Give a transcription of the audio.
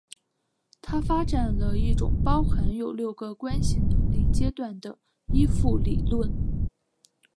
他发展了一种包含有六个关系能力阶段的依附理论。